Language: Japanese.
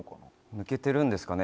抜けてるんですかね？